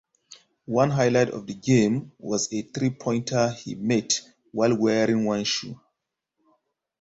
One highlight of the game was a three-pointer he made while wearing one shoe.